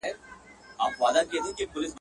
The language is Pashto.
هر وړوکی يې دريادی ..